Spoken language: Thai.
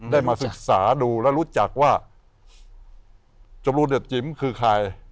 ได้มาศึกษาดูและรู้จักว่าจบรูนเด็ดจิ๋มคือใคร